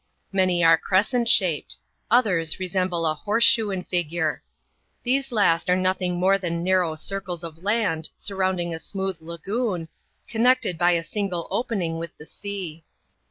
Many are crescent shaped; others resemble a horse shoe in figure. These last are nothing more than narrow circles of land, sur rounding a smooth lagoon, connected by a single opening with ike sea.